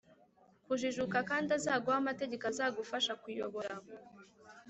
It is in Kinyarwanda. kujijuka k kandi azaguhe amategeko azagufasha kuyobora